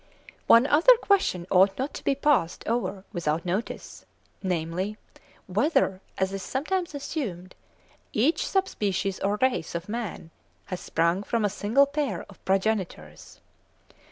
One other question ought not to be passed over without notice, namely, whether, as is sometimes assumed, each sub species or race of man has sprung from a single pair of progenitors.